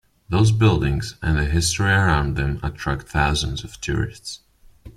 Those buildings and the history around them attract thousands of tourists.